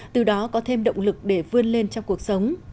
từ đó có thêm động lực để vươn lên trong cuộc sống